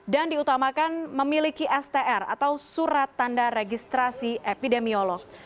dan diutamakan memiliki str atau surat tanda registrasi efk